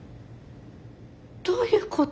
どういうこと？